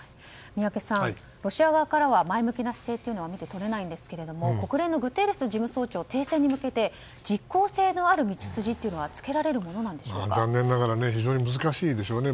宮家さん、ロシア側からは前向きな姿勢は見て取れないんですけども国連のグテーレス事務総長停戦に向けて実効性のある道筋は残念ながら非常に難しいでしょうね。